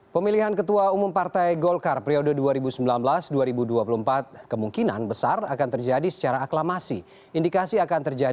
pemilihan ketua umum partai golkar periode dua ribu sembilan belas dua ribu dua puluh empat